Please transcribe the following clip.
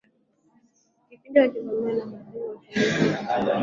pindi wakivamiwa na maadui watumie kama kinga